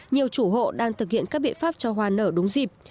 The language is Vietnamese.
nhiều chủ hộ đang thực hiện các biện pháp cho hoa nở đúng dịp